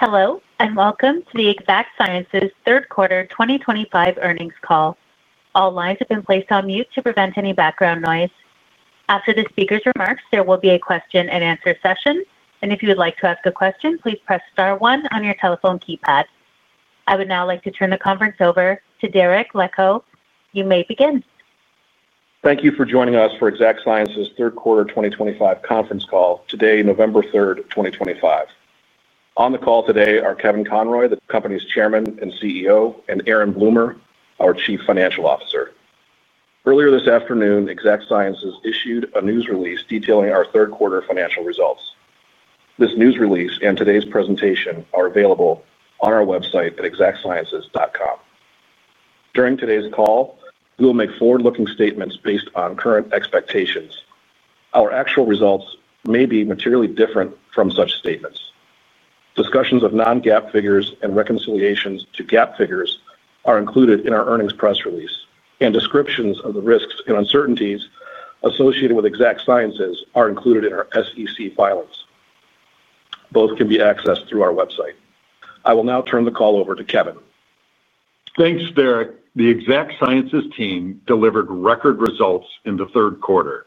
Hello, and welcome to the Exact Sciences third quarter 2025 earnings call. All lines have been placed on mute to prevent any background noise. After the speaker's remarks, there will be a question-and-answer session, and if you would like to ask a question, please press star one on your telephone keypad. I would now like to turn the conference over to Derek Leckow. You may begin. Thank you for joining us for Exact Sciences third quarter 2025 conference call today, November 3, 2025. On the call today are Kevin Conroy, the company's Chairman and CEO, and Aaron Bloomer, our Chief Financial Officer. Earlier this afternoon, Exact Sciences issued a news release detailing our third quarter financial results. This news release and today's presentation are available on our website at exactsciences.com. During today's call, we will make forward-looking statements based on current expectations. Our actual results may be materially different from such statements. Discussions of non-GAAP figures and reconciliations to GAAP figures are included in our earnings press release, and descriptions of the risks and uncertainties associated with Exact Sciences are included in our SEC filings. Both can be accessed through our website. I will now turn the call over to Kevin. Thanks, Derek. The Exact Sciences team delivered record results in the third quarter.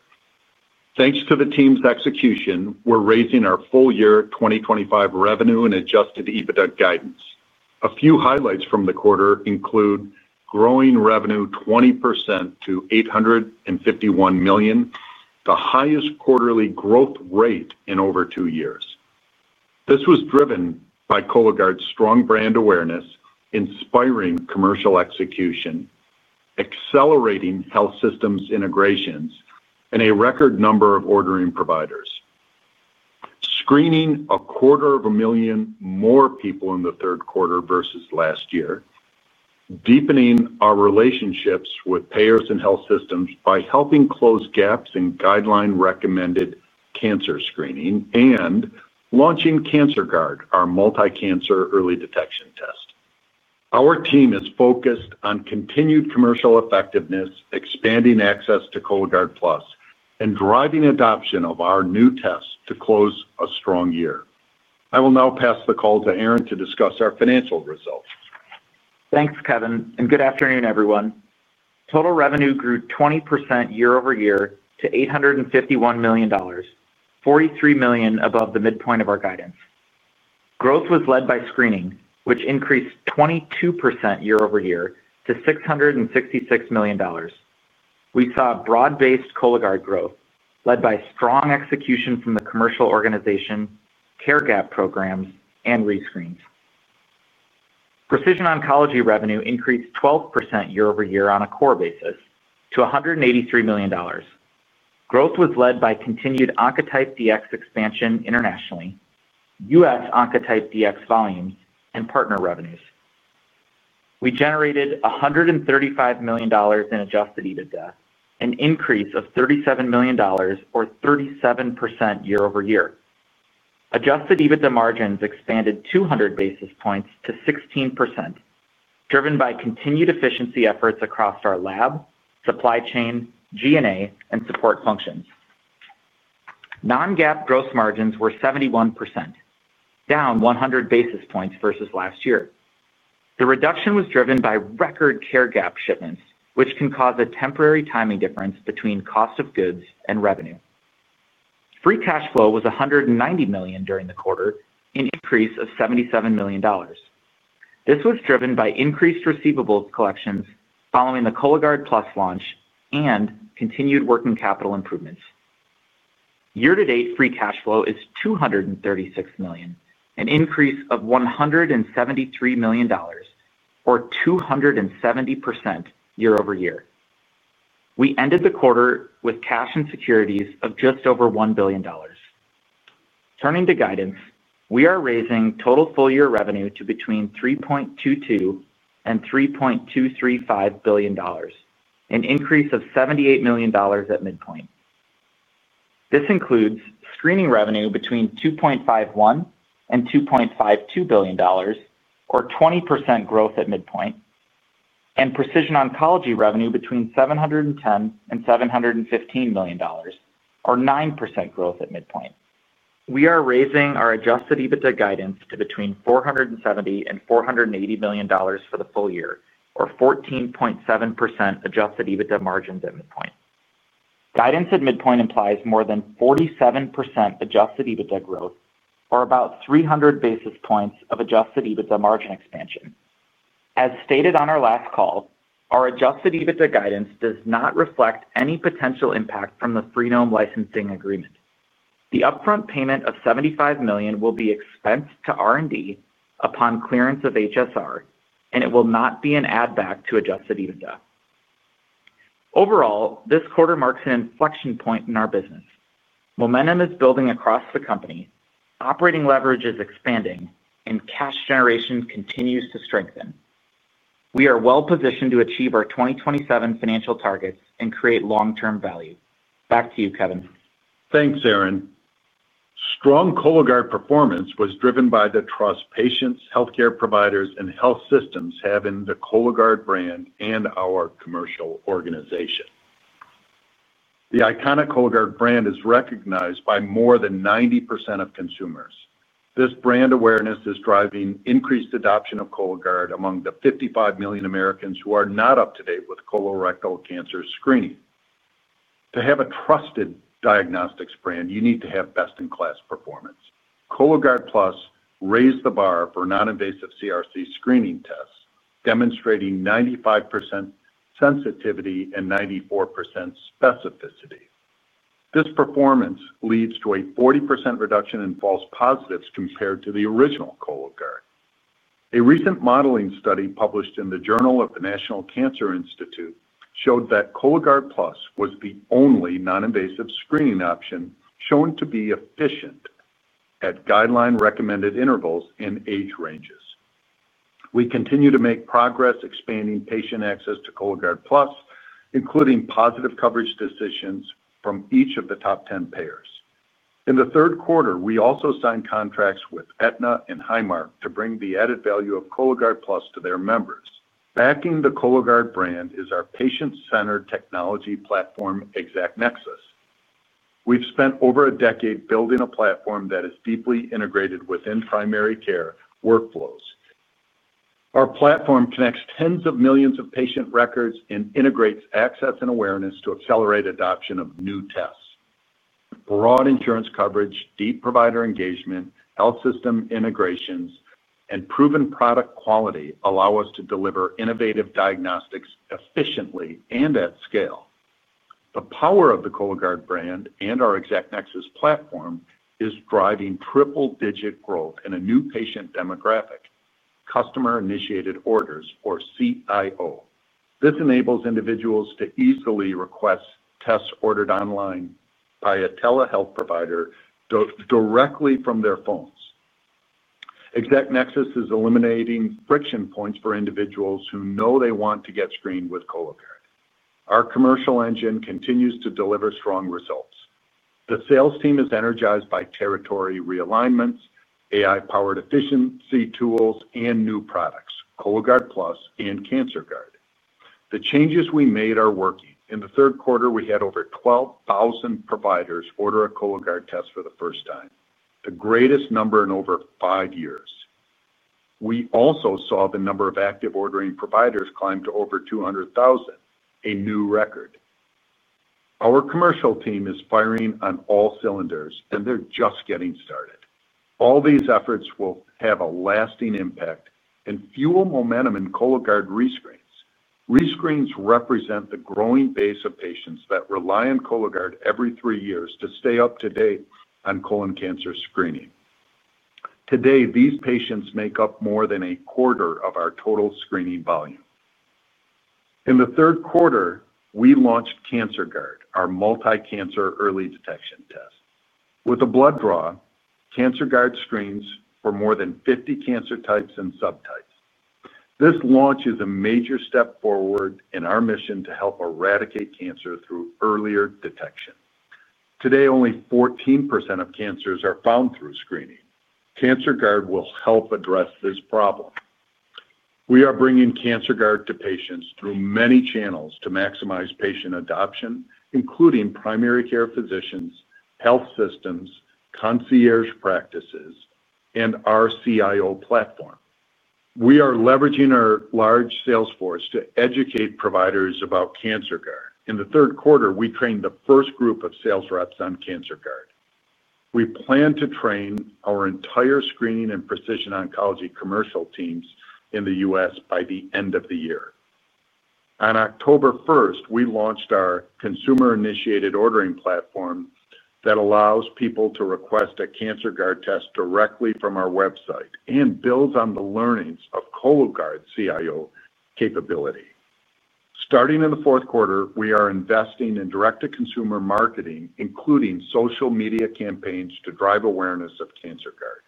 Thanks to the team's execution, we're raising our full-year 2025 revenue and adjusted EBITDA guidance. A few highlights from the quarter include growing revenue 20% to $851 million, the highest quarterly growth rate in over two years. This was driven by Cologuard's strong brand awareness, inspiring commercial execution, accelerating health systems integrations, and a record number of ordering providers. Screening a quarter of a million more people in the third quarter versus last year, deepening our relationships with payers and health systems by helping close gaps in guideline-recommended cancer screening, and launching CancerGuard, our multi-cancer early detection test. Our team is focused on continued commercial effectiveness, expanding access to Cologuard Plus, and driving adoption of our new test to close a strong year. I will now pass the call to Aaron to discuss our financial results. Thanks, Kevin, and good afternoon, everyone. Total revenue grew 20% year-over-year to $851 million, $43 million above the midpoint of our guidance. Growth was led by screening, which increased 22% year over year to $666 million. We saw broad-based Cologuard growth, led by strong execution from the commercial organization, care gap programs, and rescreens. Precision oncology revenue increased 12% year-over-year on a core basis to $183 million. Growth was led by continued Oncotype DX expansion internationally, U.S. Oncotype DX volumes, and partner revenues. We generated $135 million in adjusted EBITDA, an increase of $37 million, or 37% year-over-year. Adjusted EBITDA margins expanded 200 basis points to 16%. Driven by continued efficiency efforts across our lab, supply chain, G&A, and support functions. Non-GAAP gross margins were 71%, down 100 basis points versus last year. The reduction was driven by record care gap shipments, which can cause a temporary timing difference between cost of goods and revenue. Free cash flow was $190 million during the quarter, an increase of $77 million. This was driven by increased receivables collections following the Cologuard Plus launch and continued working capital improvements. Year-to-date free cash flow is $236 million, an increase of $173 million, or 270% year-over-year. We ended the quarter with cash and securities of just over $1 billion. Turning to guidance, we are raising total full-year revenue to between $3.22 billion-$3.235 billion, an increase of $78 million at midpoint. This includes screening revenue between $2.51 billion-$2.52 billion, or 20% growth at midpoint, and precision oncology revenue between $710 million-$715 million, or 9% growth at midpoint. We are raising our adjusted EBITDA guidance to between $470 million-$480 million for the full year, or 14.7% adjusted EBITDA margins at midpoint. Guidance at midpoint implies more than 47% adjusted EBITDA growth, or about 300 basis points of adjusted EBITDA margin expansion. As stated on our last call, our adjusted EBITDA guidance does not reflect any potential impact from the Freenome licensing agreement. The upfront payment of $75 million will be expensed to R&D upon clearance of HSR, and it will not be an add-back to adjusted EBITDA. Overall, this quarter marks an inflection point in our business. Momentum is building across the company, operating leverage is expanding, and cash generation continues to strengthen. We are well-positioned to achieve our 2027 financial targets and create long-term value. Back to you, Kevin. Thanks, Aaron. Strong Cologuard performance was driven by the trust patients, healthcare providers, and health systems have in the Cologuard brand and our commercial organization. The iconic Cologuard brand is recognized by more than 90% of consumers. This brand awareness is driving increased adoption of Cologuard among the 55 million Americans who are not up to date with colorectal cancer screening. To have a trusted diagnostics brand, you need to have best-in-class performance. Cologuard Plus raised the bar for non-invasive CRC screening tests, demonstrating 95% sensitivity and 94% specificity. This performance leads to a 40% reduction in false positives compared to the original Cologuard. A recent modeling study published in the Journal of the National Cancer Institute showed that Cologuard Plus was the only non-invasive screening option shown to be efficient at guideline-recommended intervals and age ranges. We continue to make progress expanding patient access to Cologuard Plus, including positive coverage decisions from each of the top 10 payers. In the third quarter, we also signed contracts with Aetna and Highmark to bring the added value of Cologuard Plus to their members. Backing the Cologuard brand is our patient-centered technology platform, Exact Nexus. We've spent over a decade building a platform that is deeply integrated within primary care workflows. Our platform connects tens of millions of patient records and integrates access and awareness to accelerate adoption of new tests. Broad insurance coverage, deep provider engagement, health system integrations, and proven product quality allow us to deliver innovative diagnostics efficiently and at scale. The power of the Cologuard brand and our ExactNexus platform is driving triple-digit growth in a new patient demographic, customer-initiated orders, or CIO. This enables individuals to easily request tests ordered online by a telehealth provider. Directly from their phones. Exact Nexus is eliminating friction points for individuals who know they want to get screened with Cologuard. Our commercial engine continues to deliver strong results. The sales team is energized by territory realignments, AI-powered efficiency tools, and new products, Cologuard Plus and Cancerguard. The changes we made are working. In the third quarter, we had over 12,000 providers order a Cologuard test for the first time, the greatest number in over five years. We also saw the number of active ordering providers climb to over 200,000, a new record. Our commercial team is firing on all cylinders, and they're just getting started. All these efforts will have a lasting impact and fuel momentum in Cologuard rescreens. Rescreens represent the growing base of patients that rely on Cologuard every three years to stay up to date on colon cancer screening. Today, these patients make up more than a quarter of our total screening volume. In the third quarter, we launched Cancerguard, our multi-cancer early detection test. With a blood draw, Cancerguard screens for more than 50 cancer types and subtypes. This launch is a major step forward in our mission to help eradicate cancer through earlier detection. Today, only 14% of cancers are found through screening. Cancerguard will help address this problem. We are bringing Cancerguard to patients through many channels to maximize patient adoption, including primary care physicians, health systems, concierge practices, and our CIO platform. We are leveraging our large sales force to educate providers about Cancerguard. In the third quarter, we trained the first group of sales reps on Cancerguard. We plan to train our entire screening and precision oncology commercial teams in the U.S. by the end of the year. On October 1, we launched our consumer-initiated ordering platform that allows people to request a Cancerguard test directly from our website and builds on the learnings of Cologuard's CIO capability. Starting in the fourth quarter, we are investing in direct-to-consumer marketing, including social media campaigns to drive awareness of Cancerguard.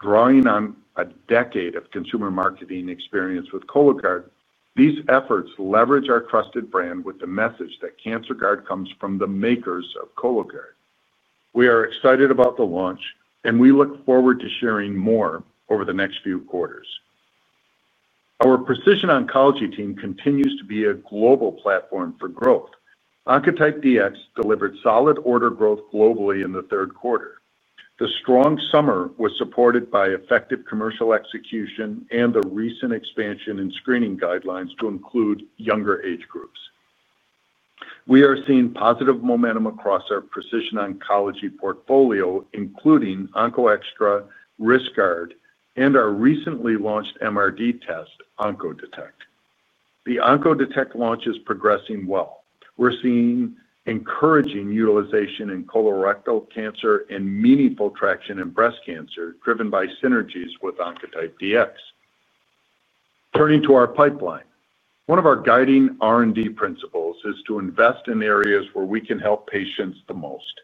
Drawing on a decade of consumer marketing experience with Cologuard, these efforts leverage our trusted brand with the message that Cancerguard comes from the makers of Cologuard. We are excited about the launch, and we look forward to sharing more over the next few quarters. Our precision oncology team continues to be a global platform for growth. Oncotype DX delivered solid order growth globally in the third quarter. The strong summer was supported by effective commercial execution and the recent expansion in screening guidelines to include younger age groups. We are seeing positive momentum across our precision oncology portfolio, including OncoExTra, Riskguard, and our recently launched MRD test, Oncodetect. The Oncodetect launch is progressing well. We're seeing encouraging utilization in colorectal cancer and meaningful traction in breast cancer, driven by synergies with Oncotype DX. Turning to our pipeline, one of our guiding R&D principles is to invest in areas where we can help patients the most.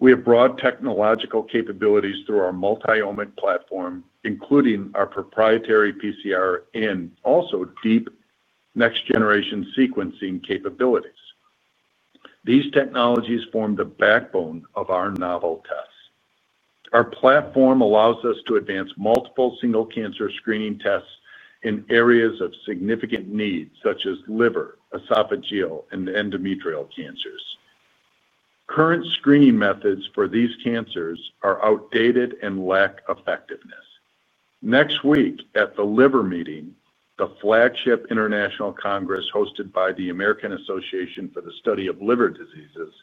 We have broad technological capabilities through our multi-omic platform, including our proprietary PCR and also deep next-generation sequencing capabilities. These technologies form the backbone of our novel tests. Our platform allows us to advance multiple single cancer screening tests in areas of significant need, such as liver, esophageal, and endometrial cancers. Current screening methods for these cancers are outdated and lack effectiveness. Next week at the liver meeting, the flagship international congress hosted by the American Association for the Study of Liver Diseases,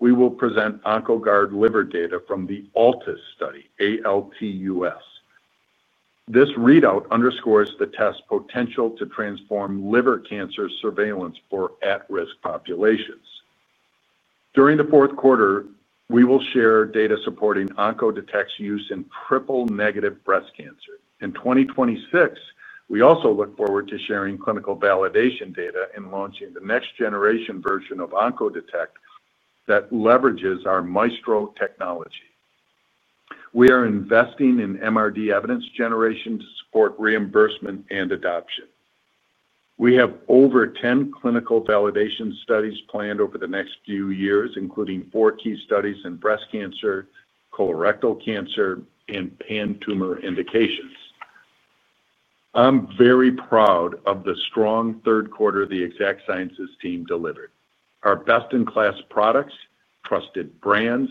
we will present Oncoguard Liver data from the ALTUS study, ALTUS. This readout underscores the test's potential to transform liver cancer surveillance for at-risk populations. During the fourth quarter, we will share data supporting Oncodetect's use in triple-negative breast cancer. In 2026, we also look forward to sharing clinical validation data and launching the next-generation version of Oncodetect that leverages our Maestro technology. We are investing in MRD evidence generation to support reimbursement and adoption. We have over 10 clinical validation studies planned over the next few years, including four key studies in breast cancer, colorectal cancer, and pan-tumor indications. I'm very proud of the strong third quarter the Exact Sciences team delivered. Our best-in-class products, trusted brands,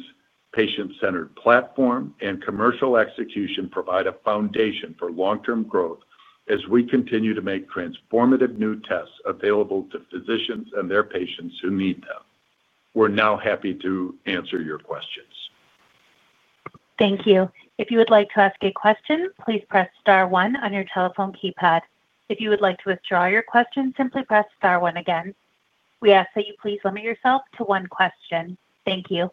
patient-centered platform, and commercial execution provide a foundation for long-term growth as we continue to make transformative new tests available to physicians and their patients who need them. We're now happy to answer your questions. Thank you. If you would like to ask a question, please press star one on your telephone keypad. If you would like to withdraw your question, simply press star one again. We ask that you please limit yourself to one question. Thank you.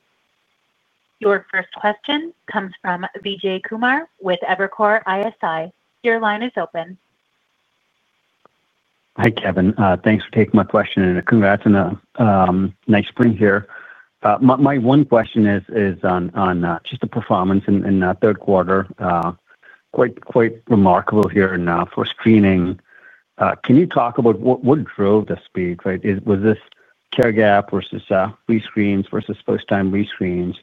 Your first question comes from Vijay Kumar with Evercore ISI. Your line is open. Hi, Kevin. Thanks for taking my question and congrats on a nice spring here. My one question is on just the performance in the third quarter. Quite remarkable here for screening. Can you talk about what drove the speed? Was this care gap versus rescreens versus first-time rescreens?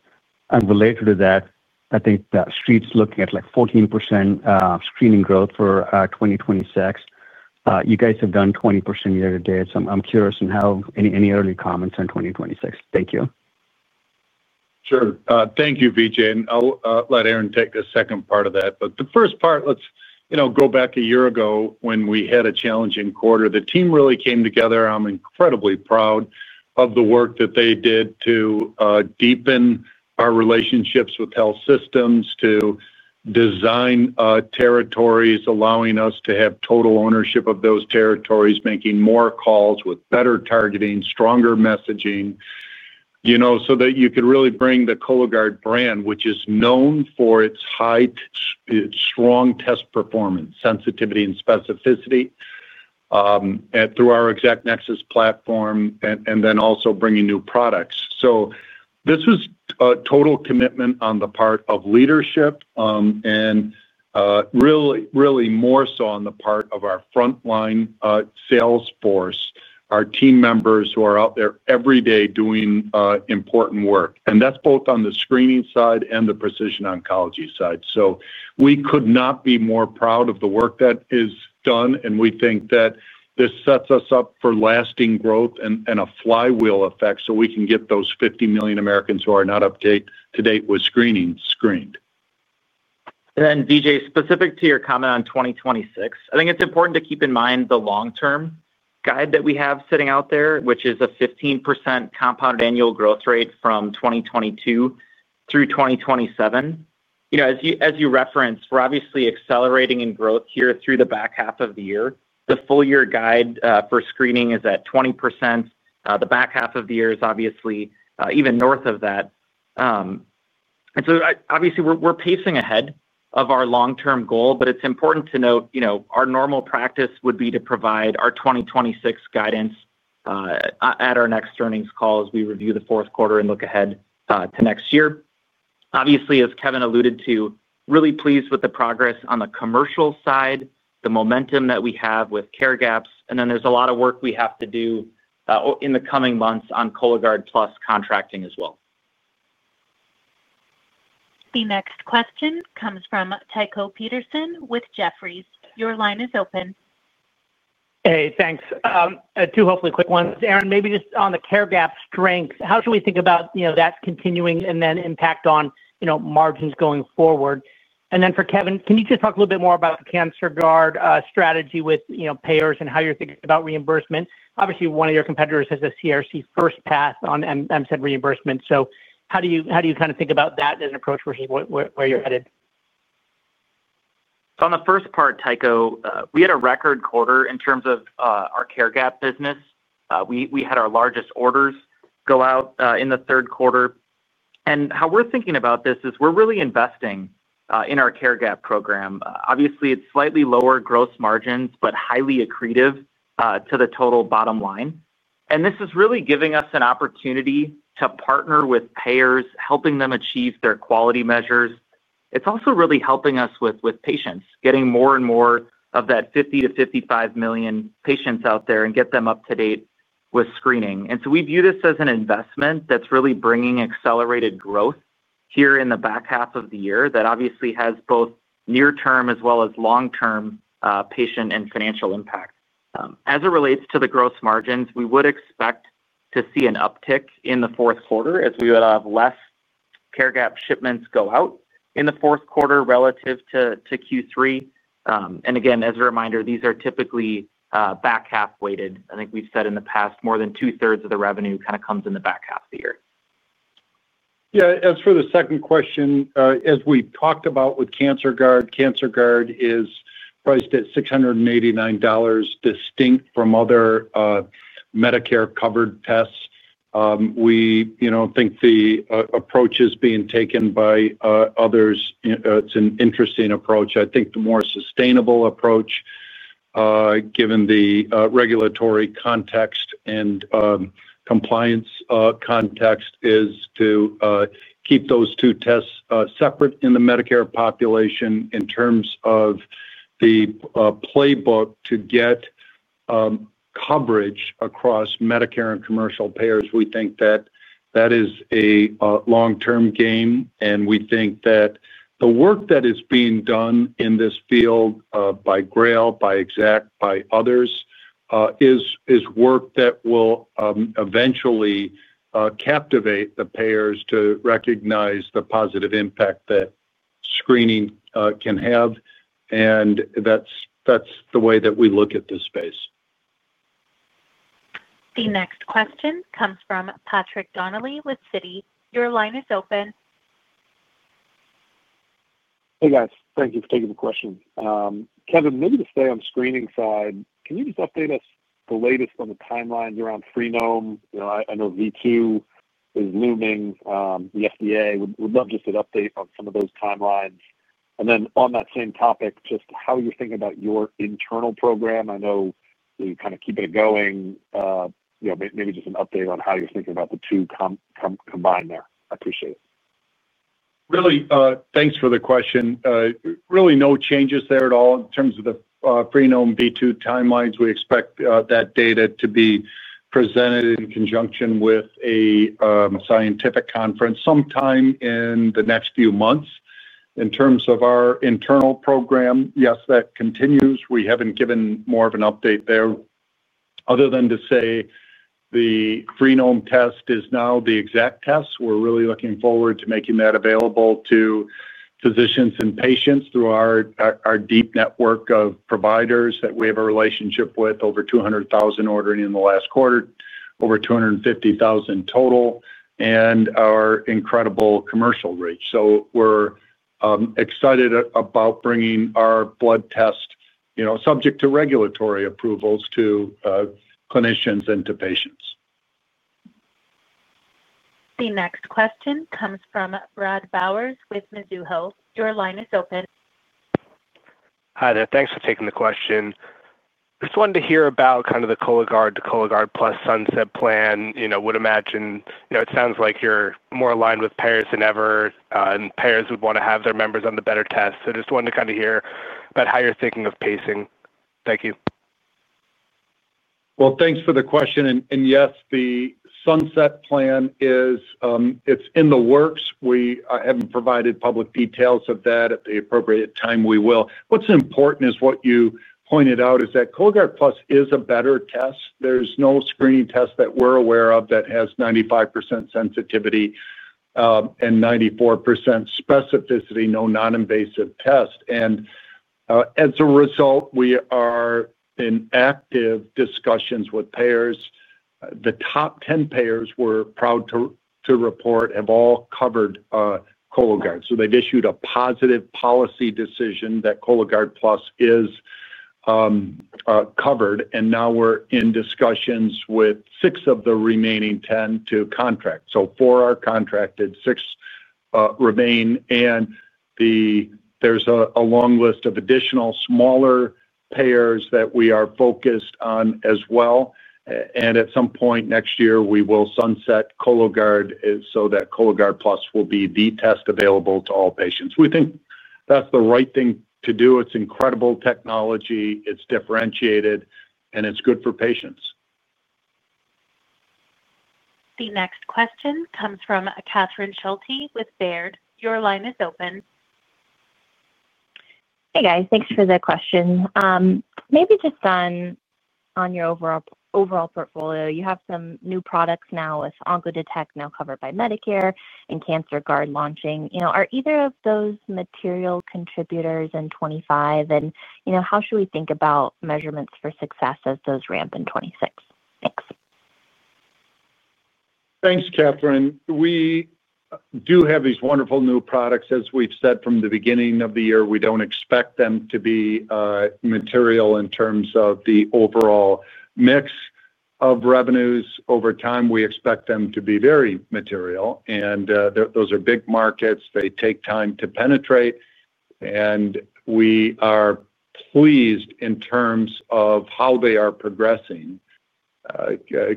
Related to that, I think that Street's looking at like 14% screening growth for 2026. You guys have done 20% year-to-date. I'm curious on how any early comments on 2026. Thank you. Sure. Thank you, Vijay. I'll let Aaron take the second part of that. The first part, let's go back a year ago when we had a challenging quarter. The team really came together. I'm incredibly proud of the work that they did to deepen our relationships with health systems, to design territories, allowing us to have total ownership of those territories, making more calls with better targeting, stronger messaging, so that you could really bring the Cologuard brand, which is known for its high, strong test performance, sensitivity, and specificity, through our Exact Nexus platform, and then also bringing new products. This was a total commitment on the part of leadership, really more so on the part of our frontline sales force, our team members who are out there every day doing important work. That's both on the screening side and the precision oncology side. We could not be more proud of the work that is done. We think that this sets us up for lasting growth and a flywheel effect so we can get those 50 million Americans who are not up to date with screening screened. Vijay, specific to your comment on 2026, I think it's important to keep in mind the long-term guide that we have sitting out there, which is a 15% compound annual growth rate from 2022 through 2027. As you referenced, we're obviously accelerating in growth here through the back half of the year. The full-year guide for screening is at 20%. The back half of the year is obviously even north of that. We're pacing ahead of our long-term goal, but it's important to note our normal practice would be to provide our 2026 guidance at our next earnings call as we review the fourth quarter and look ahead to next year. As Kevin alluded to, really pleased with the progress on the commercial side, the momentum that we have with care gaps. There's a lot of work we have to do in the coming months on Cologuard Plus contracting as well. The next question comes from Tycho Peterson with Jefferies. Your line is open. Hey, thanks. Two hopefully quick ones. Aaron, maybe just on the care gap strength, how should we think about that continuing and then impact on margins going forward? For Kevin, can you just talk a little bit more about the Cancerguard strategy with payers and how you're thinking about reimbursement? Obviously, one of your competitors has a CRC first path on MSED reimbursement. How do you kind of think about that as an approach where you're headed? On the first part, Tycho, we had a record quarter in terms of our care gap business. We had our largest orders go out in the third quarter. How we're thinking about this is we're really investing in our care gap program. Obviously, it's slightly lower gross margins, but highly accretive to the total bottom line. This is really giving us an opportunity to partner with payers, helping them achieve their quality measures. It's also really helping us with patients, getting more and more of that 50 million-55 million patients out there and get them up to date with screening. We view this as an investment that's really bringing accelerated growth here in the back half of the year that obviously has both near-term as well as long-term patient and financial impact. As it relates to the gross margins, we would expect to see an uptick in the fourth quarter as we would have less care gap shipments go out in the fourth quarter relative to Q3. Again, as a reminder, these are typically back half weighted. I think we've said in the past, more than two-thirds of the revenue kind of comes in the back half of the year. Yeah. As for the second question, as we've talked about with Cancerguard, Cancerguard is priced at $689. Distinct from other Medicare-covered tests. We think the approach is being taken by others. It's an interesting approach. I think the more sustainable approach, given the regulatory context and compliance context, is to keep those two tests separate in the Medicare population. In terms of the playbook to get coverage across Medicare and commercial payers, we think that that is a long-term game. We think that the work that is being done in this field by Grail, by Exact, by others, is work that will eventually captivate the payers to recognize the positive impact that screening can have. That's the way that we look at this space. The next question comes from Patrick Donnelly with Citi. Your line is open. Hey, guys. Thank you for taking the question. Kevin, maybe to stay on the screening side, can you just update us the latest on the timelines around Freenome? I know V2 is looming. The FDA would love just an update on some of those timelines. On that same topic, just how you're thinking about your internal program. I know you're kind of keeping it going. Maybe just an update on how you're thinking about the two combined there. I appreciate it. Really, thanks for the question. Really, no changes there at all in terms of the Freenome V2 timelines. We expect that data to be presented in conjunction with a scientific conference sometime in the next few months. In terms of our internal program, yes, that continues. We haven't given more of an update there other than to say the Freednome test is now the Exact test. We're really looking forward to making that available to physicians and patients through our deep network of providers that we have a relationship with, over 200,000 ordering in the last quarter, over 250,000 total, and our incredible commercial reach. We're excited about bringing our blood test, subject to regulatory approvals, to clinicians and to patients. The next question comes from Brad Bowers with Mizuho. Your line is open. Hi, there. Thanks for taking the question. Just wanted to hear about kind of the Cologuard, the Cologuard Plus sunset plan. Would imagine it sounds like you're more aligned with payers than ever. Payers would want to have their members on the better test. Just wanted to kind of hear about how you're thinking of pacing. Thank you. Thanks for the question. Yes, the Sunset plan is in the works. I have not provided public details of that. At the appropriate time, we will. What is important is what you pointed out, that Cologuard Plus is a better test. There is no screening test that we are aware of that has 95% sensitivity and 94% specificity, no non-invasive test. As a result, we are in active discussions with payers. The top 10 payers, we are proud to report, have all covered Cologuard. They have issued a positive policy decision that Cologuard Plus is covered. Now we are in discussions with six of the remaining 10 to contract. Four are contracted, six remain. There is a long list of additional smaller payers that we are focused on as well. At some point next year, we will sunset Cologuard so that Cologuard Plus will be the test available to all patients. We think that is the right thing to do. It is incredible technology. It is differentiated. It is good for patients. The next question comes from Catherine Schulte with Baird. Your line is open. Hey, guys. Thanks for the question. Maybe just on your overall portfolio. You have some new products now with Oncodetect now covered by Medicare and Cancerguard launching. Are either of those material contributors in 2025? How should we think about measurements for success as those ramp in 2026? Thanks. Thanks, Catherine. We do have these wonderful new products, as we've said from the beginning of the year. We don't expect them to be material in terms of the overall mix of revenues. Over time, we expect them to be very material. Those are big markets. They take time to penetrate. We are pleased in terms of how they are progressing.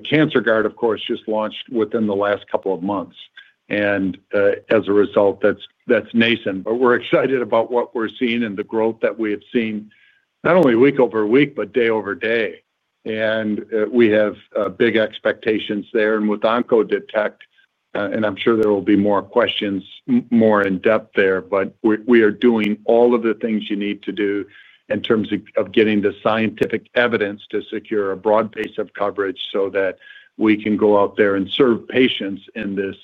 Cancerguard, of course, just launched within the last couple of months. As a result, that's nascent. We're excited about what we're seeing and the growth that we have seen, not only week over week, but day over day. We have big expectations there. With Oncodetect, and I'm sure there will be more questions more in depth there, we are doing all of the things you need to do in terms of getting the scientific evidence to secure a broad base of coverage so that we can go out there and serve patients in this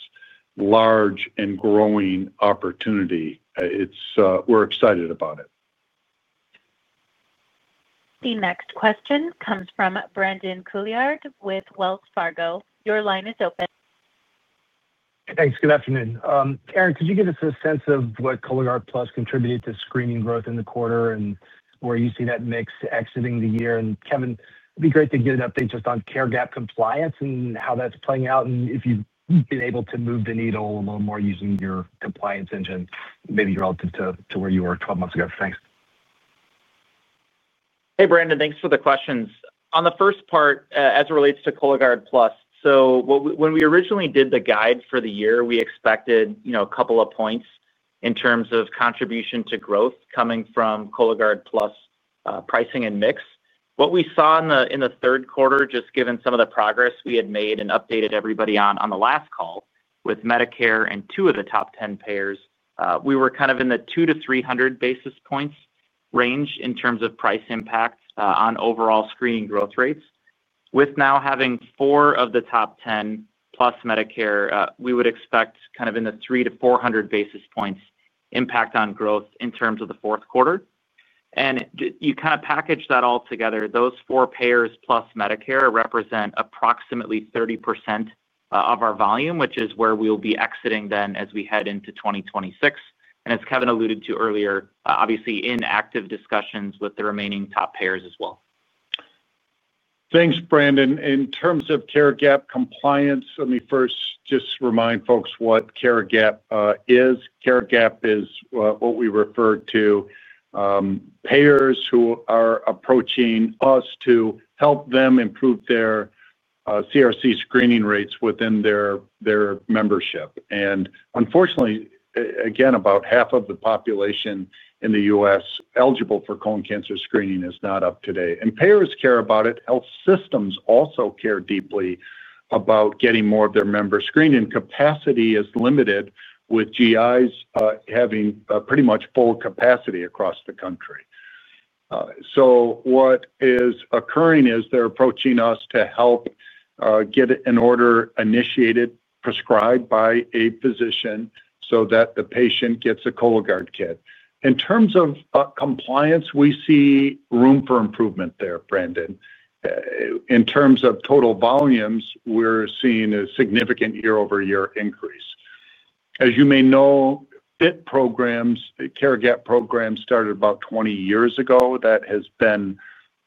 large and growing opportunity. We're excited about it. The next question comes from Brandon Couillard with Wells Fargo. Your line is open. Thanks. Good afternoon. Aaron, could you give us a sense of what Cologuard Plus contributed to screening growth in the quarter and where you see that mix exiting the year? Kevin, it'd be great to get an update just on care gap compliance and how that's playing out and if you've been able to move the needle a little more using your compliance engine, maybe relative to where you were 12 months ago. Thanks. Hey, Brandon. Thanks for the questions. On the first part, as it relates to Cologuard Plus. When we originally did the guide for the year, we expected a couple of points in terms of contribution to growth coming from Cologuard Plus pricing and mix. What we saw in the third quarter, just given some of the progress we had made and updated everybody on the last call with Medicare and two of the top 10 payers, we were kind of in the 200-300 basis points range in terms of price impact on overall screening growth rates. With now having four of the top 10+ Medicare, we would expect kind of in the 300-400 basis points impact on growth in terms of the fourth quarter. You kind of package that all together. Those four payers plus Medicare represent approximately 30% of our volume, which is where we will be exiting then as we head into 2026. As Kevin alluded to earlier, obviously in active discussions with the remaining top payers as well. Thanks, Brandon. In terms of care gap compliance, let me first just remind folks what care gap is. Care gap is what we refer to. Payers who are approaching us to help them improve their CRC screening rates within their membership. Unfortunately, again, about half of the population in the US eligible for colon cancer screening is not up to date. Payers care about it. Health systems also care deeply about getting more of their members screened. Capacity is limited with GIs having pretty much full capacity across the country. What is occurring is they're approaching us to help get an order initiated, prescribed by a physician so that the patient gets a Cologuard kit. In terms of compliance, we see room for improvement there, Brandon. In terms of total volumes, we're seeing a significant year-over-year increase. As you may know, FIT programs, care gap programs started about 20 years ago. That has been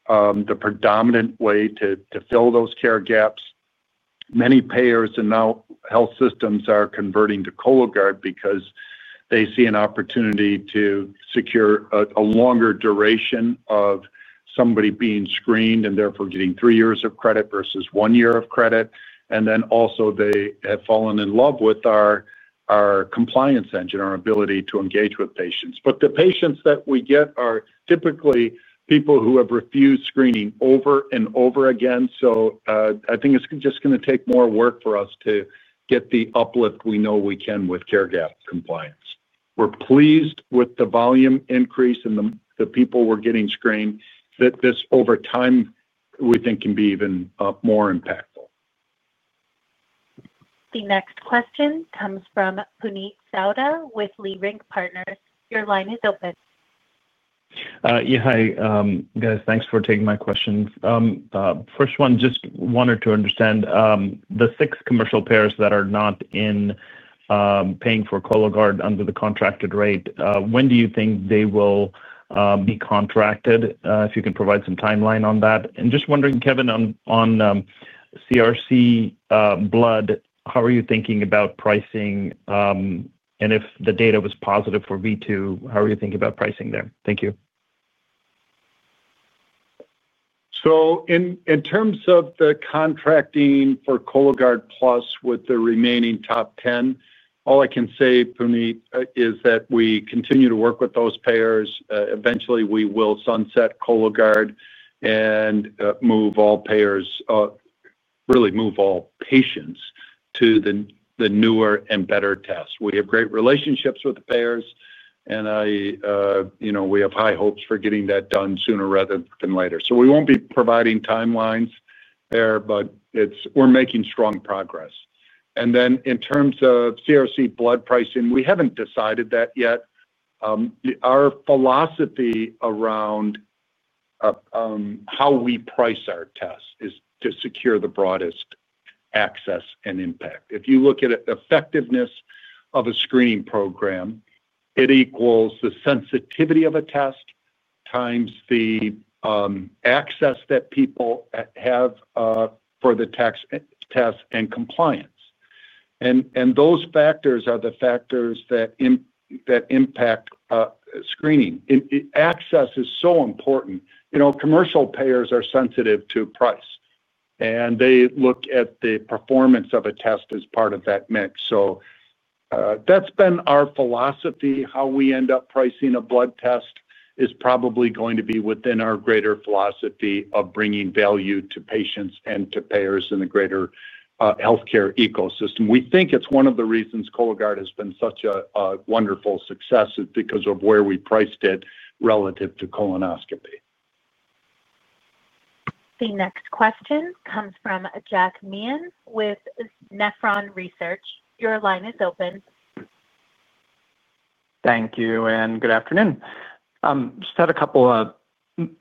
the predominant way to fill those care gaps. Many payers and now health systems are converting to Cologuard because they see an opportunity to secure a longer duration of somebody being screened and therefore getting three years of credit versus one year of credit. They have fallen in love with our compliance engine, our ability to engage with patients. The patients that we get are typically people who have refused screening over and over again. I think it's just going to take more work for us to get the uplift we know we can with care gap compliance. We're pleased with the volume increase in the people we're getting screened, that this over time, we think can be even more impactful. The next question comes from Puneet Souda with Leerink Partners. Your line is open. Yeah. Hi, guys. Thanks for taking my questions. First one, just wanted to understand. The six commercial payers that are not in, paying for Cologuard under the contracted rate, when do you think they will be contracted? If you can provide some timeline on that. Just wondering, Kevin, on CRC blood, how are you thinking about pricing? If the data was positive for V2, how are you thinking about pricing there? Thank you. In terms of the contracting for Cologuard Plus with the remaining top 10, all I can say, Puneet, is that we continue to work with those payers. Eventually, we will sunset Cologuard and move all payers. Really move all patients to the newer and better tests. We have great relationships with the payers. We have high hopes for getting that done sooner rather than later. We will not be providing timelines there, but we are making strong progress. In terms of CRC blood pricing, we have not decided that yet. Our philosophy around how we price our test is to secure the broadest access and impact. If you look at the effectiveness of a screening program, it equals the sensitivity of a test times the access that people have for the test and compliance. Those factors are the factors that impact screening. Access is so important. Commercial payers are sensitive to price, and they look at the performance of a test as part of that mix. That has been our philosophy. How we end up pricing a blood test is probably going to be within our greater philosophy of bringing value to patients and to payers in the greater healthcare ecosystem. We think it is one of the reasons Cologuard has been such a wonderful success, because of where we priced it relative to colonoscopy. The next question comes from Jack Meehan with Nephron Research. Your line is open. Thank you. And good afternoon. Just had a couple of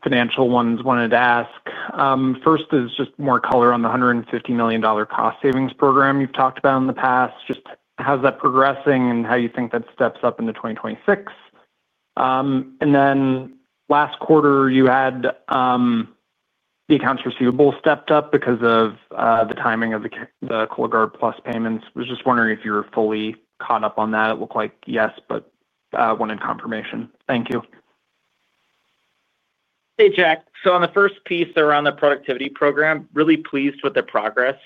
financial ones I wanted to ask. First is just more color on the $150 million cost savings program you've talked about in the past. Just how's that progressing and how you think that steps up into 2026? And then last quarter, you had the accounts receivable stepped up because of the timing of the Cologuard Plus payments. I was just wondering if you were fully caught up on that. It looked like yes, but wanted confirmation. Thank you. Hey, Jack. On the first piece around the productivity program, really pleased with the progress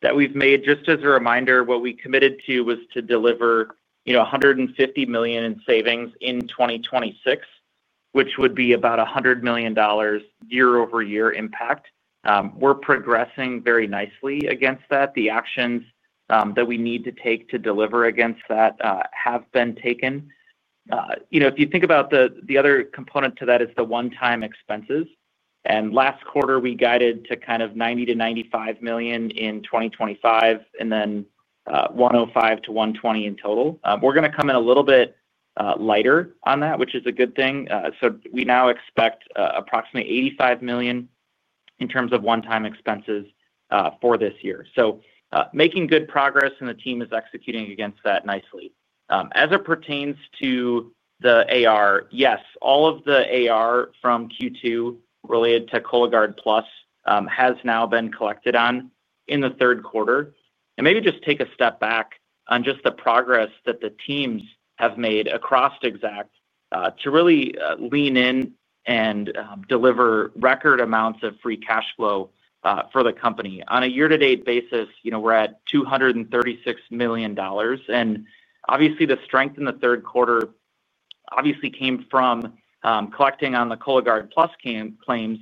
that we've made. Just as a reminder, what we committed to was to deliver $150 million in savings in 2026, which would be about $100 million year-over-year impact. We're progressing very nicely against that. The actions that we need to take to deliver against that have been taken. If you think about the other component to that, it is the one-time expenses. Last quarter, we guided to kind of $90 million-$95 million in 2025 and then $105 million-$120 million in total. We're going to come in a little bit lighter on that, which is a good thing. We now expect approximately $85 million in terms of one-time expenses for this year. Making good progress, and the team is executing against that nicely. As it pertains to the AR, yes, all of the AR from Q2 related to Cologuard Plus has now been collected on in the third quarter. Maybe just take a step back on the progress that the teams have made across Exact to really lean in and deliver record amounts of free cash flow for the company. On a year-to-date basis, we're at $236 million. Obviously, the strength in the third quarter came from collecting on the Cologuard Plus claims,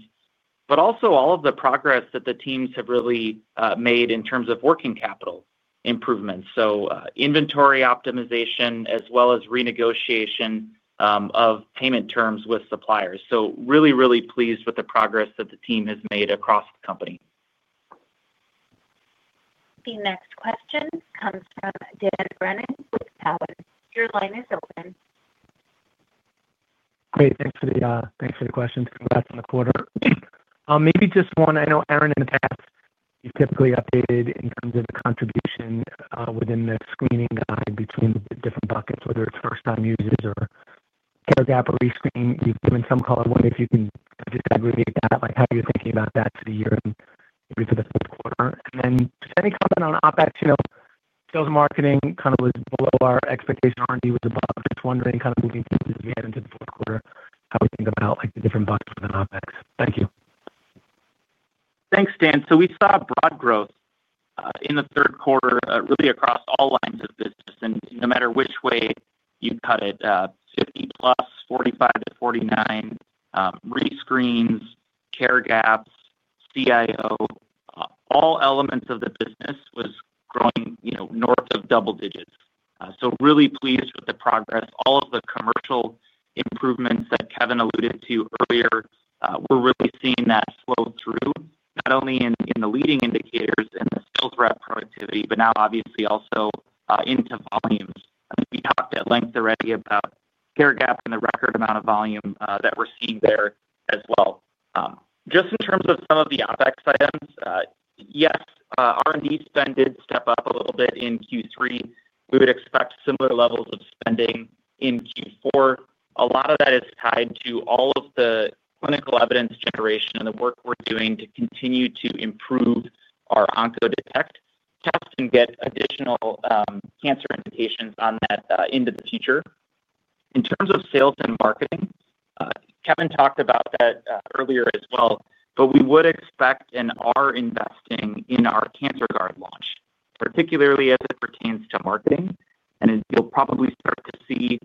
but also all of the progress that the teams have made in terms of working capital improvements. Inventory optimization as well as renegotiation of payment terms with suppliers. Really, really pleased with the progress that the team has made across the company. The next question comes from Dan Brennan with TD Cowen. Your line is open. Great. Thanks for the questions. Congrats on the quarter. Maybe just one. I know, Aaron, in the past, you've typically updated in terms of the contribution within the screening guide between the different buckets, whether it's first-time users or care gap or rescreening. You've given some color when if you can disaggregate that, how you're thinking about that for the year and maybe for the fourth quarter. Just any comment on OpEx? Sales and marketing kind of was below our expectation, R&D was above. Just wondering kind of moving forward as we head into the fourth quarter, how we think about the different buckets within OpEx. Thank you. Thanks, Dan. We saw broad growth in the third quarter really across all lines of business. No matter which way you cut it, 50+, 45-49. Rescreens, care gaps, CIO, all elements of the business were growing north of double digits. Really pleased with the progress. All of the commercial improvements that Kevin alluded to earlier, we're really seeing that flow through, not only in the leading indicators and the sales rep productivity, but now obviously also into volumes. We talked at length already about care gap and the record amount of volume that we're seeing there as well. Just in terms of some of the OpEx items, yes, R&D spend did step up a little bit in Q3. We would expect similar levels of spending in Q4. A lot of that is tied to all of the clinical evidence generation and the work we're doing to continue to improve our Oncodetect test and get additional cancer indications on that into the future. In terms of sales and marketing, Kevin talked about that earlier as well, but we would expect and are investing in our Cancerguard launch, particularly as it pertains to marketing. You'll probably start to see,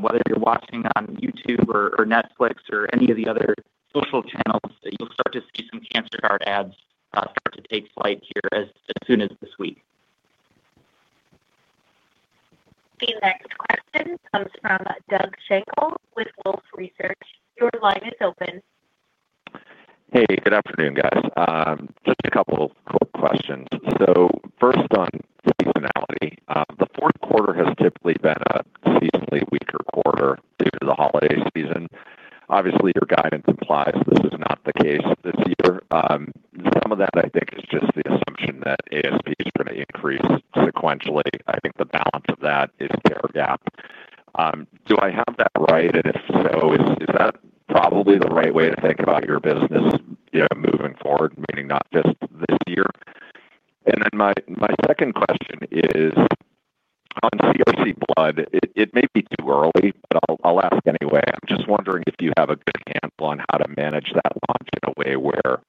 whether you're watching on YouTube or Netflix or any of the other social channels, you'll start to see some Cancerguard ads start to take flight here as soon as this week. The next question comes from Doug Schenkel with Wolfe Research. Your line is open. Hey, good afternoon, guys. Just a couple of quick questions. First on seasonality. The fourth quarter has typically been a seasonally weaker quarter due to the holiday season. Obviously, your guidance implies this is not the case this year. Some of that, I think, is just the assumption that ASPs are going to increase sequentially. I think the balance of that is care gap. Do I have that right? If so, is that probably the right way to think about your business moving forward, meaning not just this year? My second question is on CRC blood. It may be too early, but I'll ask anyway. I'm just wondering if you have a good handle on how to manage that launch in a way where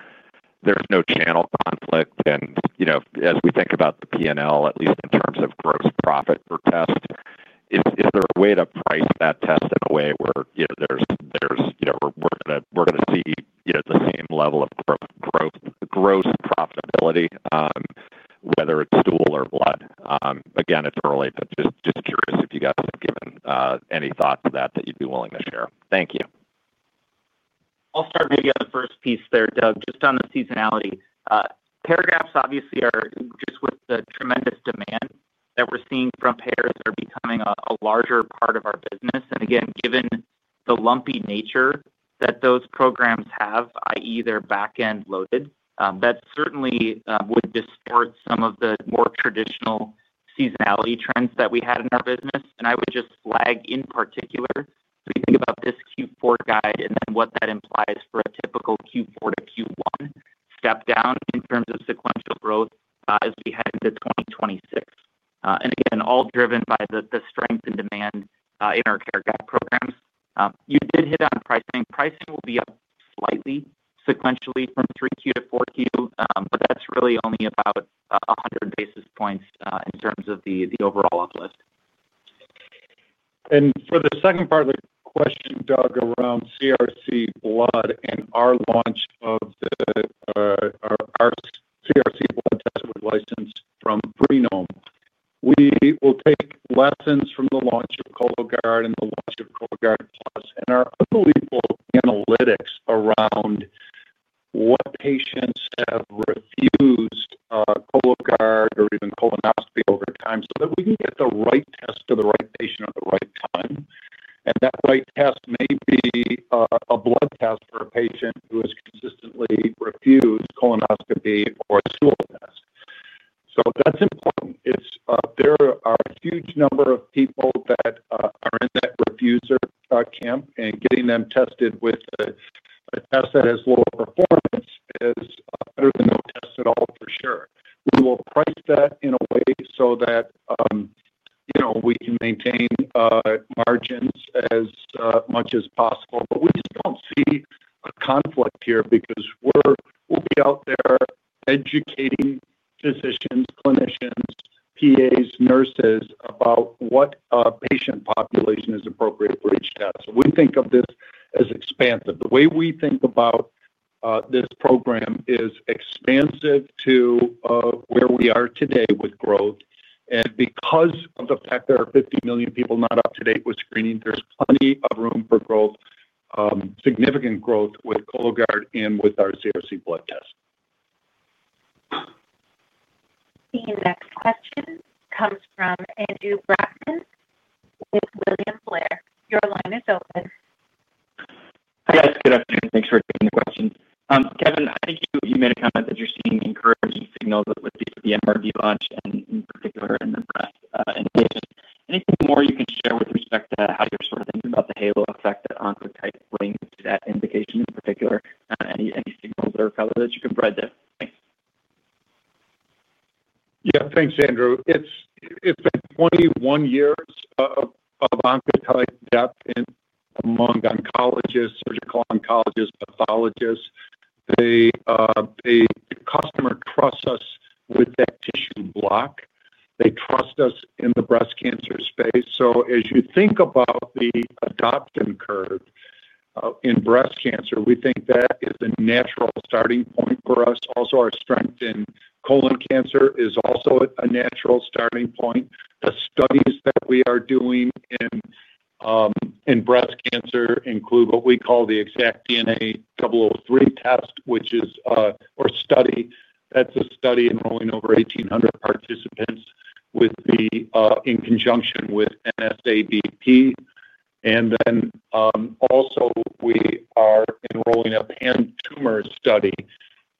there's no channel conflict. As we think about the P&L, at least in terms of gross profit per test, is there a way to price that test in a way where we're going to see the same level of gross profitability, whether it's stool or blood? Again, it's early, but just curious if you guys have given any thought to that that you'd be willing to share. Thank you. I'll start maybe on the first piece there, Doug, just on the seasonality. Care gaps obviously are just with the tremendous demand that we're seeing from payers that are becoming a larger part of our business. Again, given the lumpy nature that those programs have, i.e., they're back-end loaded, that certainly would distort some of the more traditional seasonality trends that we had in our business. I would just flag in particular, if you think about this Q4 guide and then what that implies for a typical Q4 to Q1 step down in terms of sequential growth as we head into 2026. Again, all driven by the strength and demand in our care gap programs. You did hit on pricing. Pricing will be up slightly sequentially from 3Q to 4Q, but that's really only about 100 basis points in terms of the overall uplift. For the second part of the question, Doug, around CRC blood and our launch of the CRC blood test with license from Freenome, we will take lessons from the launch of Cologuard and the launch of Cologuard Plus and our unbelievable analytics around what patients have refused Cologuard or even colonoscopy over time so that we can get the right test to the right patient at the right time. That right test may be a blood test for a patient with a test that has lower performance is better than no test at all, for sure. We will price that in a way so that we can maintain margins as much as possible. We just do not see a conflict here because we will be out there educating physicians, clinicians, PAs, nurses about what patient population is appropriate for each test. We think of this as expansive. The way we think about this program is expansive to where we are today with growth. Because of the fact there are 50 million people not up to date with screening, there is plenty of room for growth. Significant growth with Cologuard and with our CRC blood test. The next question comes from Andrew Brackmann with William Blair. Your line is open. Hi, guys. Good afternoon. Thanks for taking the question. Kevin, I think you made a comment that you're seeing encouraging signals with the MRD launch and in particular in the breast indications. Anything more you can share with respect to how you're sort of thinking about the halo effect that Oncotype brings to that indication in particular? Any signals or colors that you can provide there? Thanks. Yeah, thanks, Andrew. It's been 21 years of Oncotype depth among oncologists, surgical oncologists, pathologists. The customer trusts us with that tissue block. They trust us in the breast cancer space. As you think about the adoption curve in breast cancer, we think that is a natural starting point for us. Also, our strength in colon cancer is also a natural starting point. The studies that we are doing in breast cancer include what we call the EXActDNA003 test, which is a study enrolling over 1,800 participants in conjunction with NSABP. Also, we are enrolling a pan-tumor study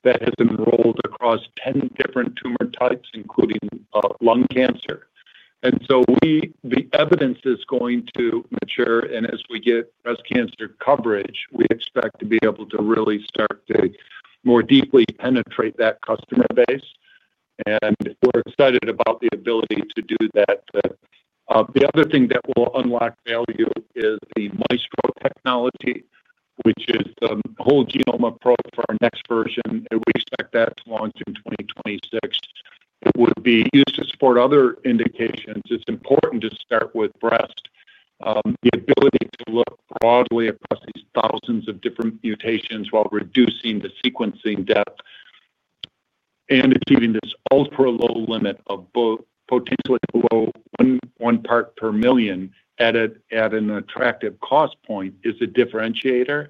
that has enrolled across 10 different tumor types, including lung cancer. The evidence is going to mature. As we get breast cancer coverage, we expect to be able to really start to more deeply penetrate that customer base. We're excited about the ability to do that. The other thing that will unlock value is the Maestro technology, which is the whole genome approach for our next version. We expect that to launch in 2026. It would be used to support other indications. It's important to start with breast. The ability to look broadly across these thousands of different mutations while reducing the sequencing depth and achieving this ultra-low limit of detection, potentially below one part per million at an attractive cost point, is a differentiator.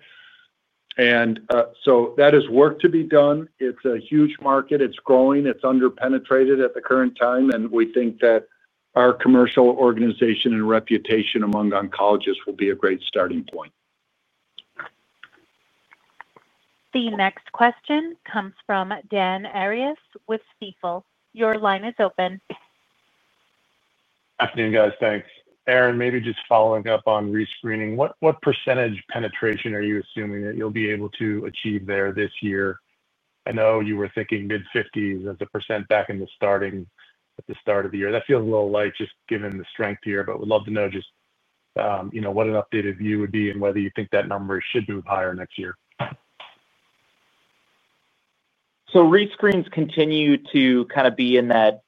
That is work to be done. It's a huge market. It's growing. It's under-penetrated at the current time. We think that our commercial organization and reputation among oncologists will be a great starting point. The next question comes from Dan Arias with Stifel. Your line is open. Good afternoon, guys. Thanks. Aaron, maybe just following up on rescreening, what percentage penetration are you assuming that you'll be able to achieve there this year? I know you were thinking mid-50% as a percent back in the starting at the start of the year. That feels a little light just given the strength here, but we'd love to know just what an updated view would be and whether you think that number should move higher next year. Rescreens continue to kind of be in that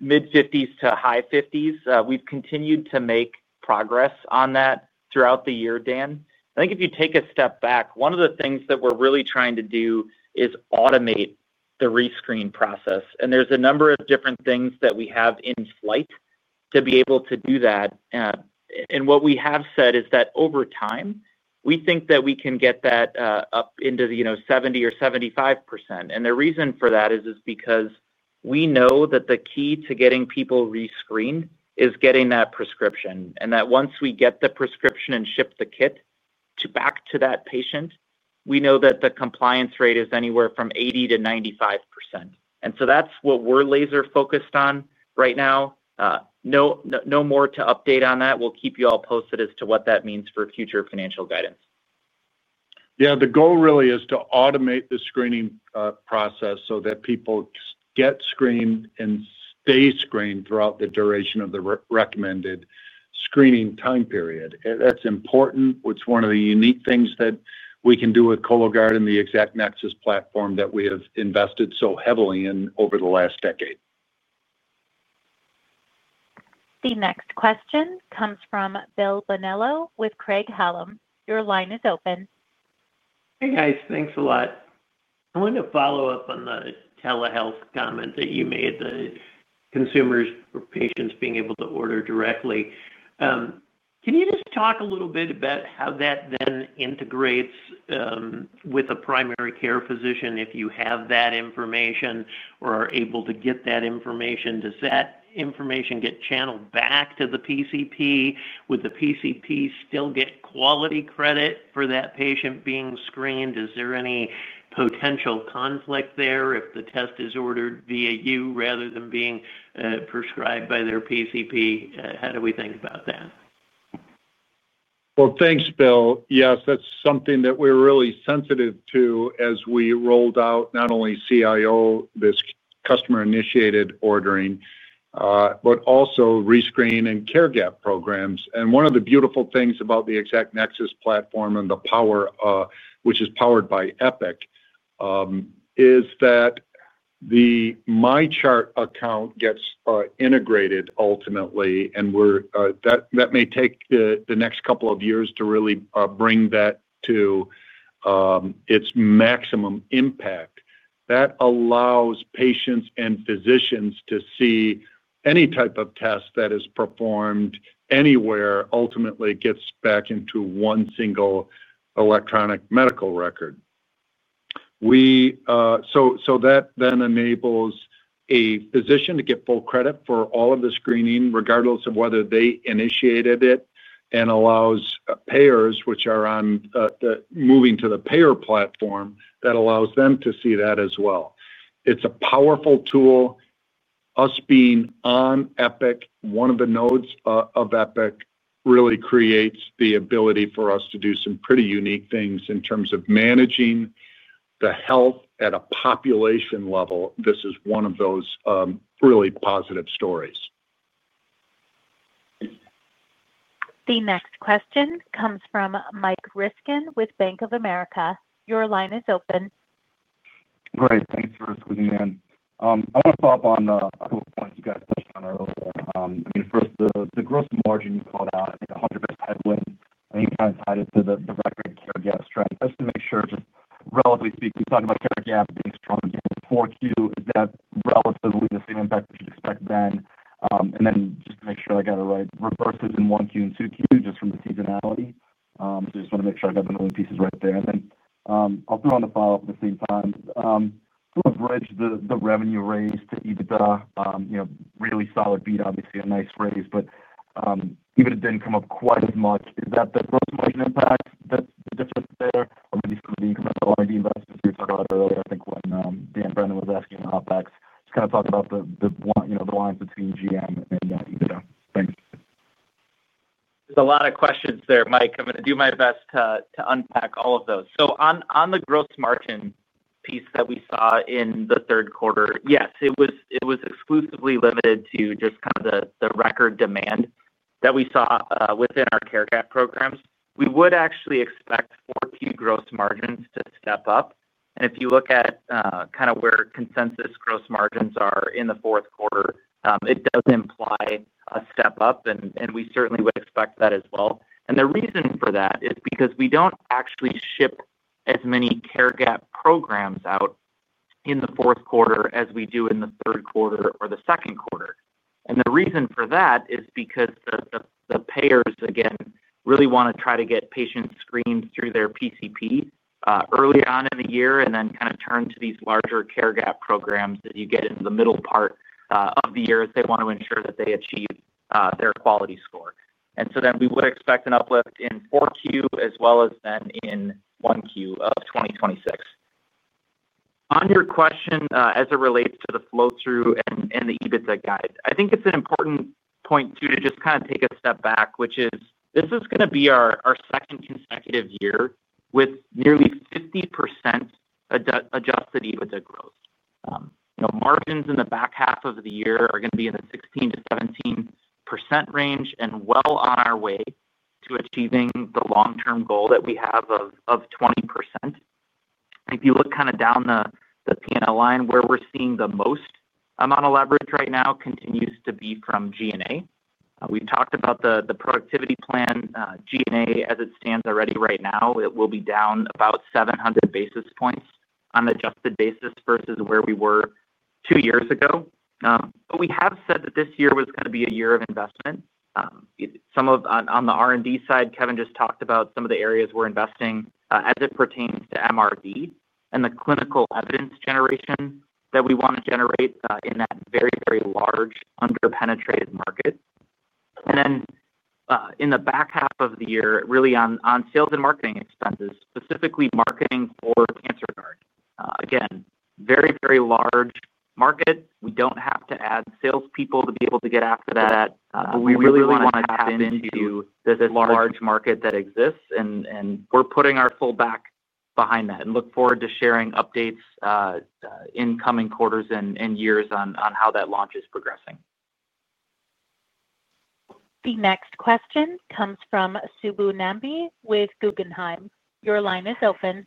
mid-50s to high 50s. We've continued to make progress on that throughout the year, Dan. I think if you take a step back, one of the things that we're really trying to do is automate the rescreen process. There's a number of different things that we have in flight to be able to do that. What we have said is that over time, we think that we can get that up into 70% or 75%. The reason for that is because we know that the key to getting people rescreened is getting that prescription. Once we get the prescription and ship the kit back to that patient, we know that the compliance rate is anywhere from 80%-95%. That's what we're laser-focused on right now. No more to update on that. We'll keep you all posted as to what that means for future financial guidance. Yeah, the goal really is to automate the screening process so that people get screened and stay screened throughout the duration of the recommended screening time period. That's important. It's one of the unique things that we can do with Cologuard and the Exact Nexus platform that we have invested so heavily in over the last decade. The next question comes from Bill Bonello with Craig-Hallum. Your line is open. Hey, guys. Thanks a lot. I wanted to follow up on the telehealth comment that you made that consumers or patients being able to order directly. Can you just talk a little bit about how that then integrates with a primary care physician if you have that information or are able to get that information? Does that information get channeled back to the PCP? Would the PCP still get quality credit for that patient being screened? Is there any potential conflict there if the test is ordered via you rather than being prescribed by their PCP? How do we think about that? Thank you, Bill. Yes, that's something that we're really sensitive to as we rolled out not only CIO, this customer-initiated ordering, but also rescreen and care gap programs. One of the beautiful things about the Exact Nexus platform and the power, which is powered by Epic, is that the MyChart account gets integrated ultimately. That may take the next couple of years to really bring that to its maximum impact. That allows patients and physicians to see any type of test that is performed anywhere ultimately gets back into one single electronic medical record. That then enables a physician to get full credit for all of the screening, regardless of whether they initiated it, and allows payers, which are moving to the payer platform, to see that as well. It's a powerful tool. Us being on Epic, one of the nodes of Epic, really creates the ability for us to do some pretty unique things in terms of managing the health at a population level. This is one of those really positive stories. The next question comes from Mike Ryskin with Bank of America. Your line is open. Great. Thanks, Bruce, for the end. I want to follow up on a couple of points you guys touched on earlier. I mean, first, the gross margin you called out, I think 100% headwind, I think kind of tied it to the record care gap strength. Just to make sure, just relatively speaking, talking about care gap being strong in 4Q, is that relatively the same impact that you'd expect then? Just to make sure I got it right, reverses in 1Q and 2Q just from the seasonality. I just want to make sure I got the moving pieces right there. I will throw on the follow-up at the same time. I want to bridge the revenue raised to EBITDA, really solid beat, obviously, a nice phrase, but EBITDA did not come up quite as much. Is that the gross margin impact that's different there? Or maybe some of the incremental R&D investments we were talking about earlier, I think when Dan Brennan was asking about OpEx, just kind of talk about the lines between GM and EBITDA. Thanks. There's a lot of questions there, Mike. I'm going to do my best to unpack all of those. On the gross margin piece that we saw in the third quarter, yes, it was exclusively limited to just kind of the record demand that we saw within our care gap programs. We would actually expect 4Q gross margins to step up. If you look at kind of where consensus gross margins are in the fourth quarter, it does imply a step up, and we certainly would expect that as well. The reason for that is because we do not actually ship as many care gap programs out in the fourth quarter as we do in the third quarter or the second quarter. The reason for that is because the payers, again, really want to try to get patients screened through their PCP early on in the year and then kind of turn to these larger care gap programs that you get in the middle part of the year if they want to ensure that they achieve their quality score. We would expect an uplift in 4Q as well as then in 1Q of 2026. On your question as it relates to the flow-through and the EBITDA guide, I think it's an important point too to just kind of take a step back, which is this is going to be our second consecutive year with nearly 50% adjusted EBITDA growth. Margins in the back half of the year are going to be in the 16%-17% range and well on our way to achieving the long-term goal that we have of 20%. If you look kind of down the P&L line, where we're seeing the most amount of leverage right now continues to be from G&A. We've talked about the productivity plan. G&A, as it stands already right now, will be down about 700 basis points on an adjusted basis versus where we were two years ago. We have said that this year was going to be a year of investment. On the R&D side, Kevin just talked about some of the areas we're investing as it pertains to MRD and the clinical evidence generation that we want to generate in that very, very large under-penetrated market. In the back half of the year, really on sales and marketing expenses, specifically marketing for Cancerguard. Again, very, very large market. We do not have to add salespeople to be able to get after that. We really want to tap into this large market that exists. We're putting our full back behind that and look forward to sharing updates in coming quarters and years on how that launch is progressing. The next question comes from Subbu Nambi with Guggenheim. Your line is open.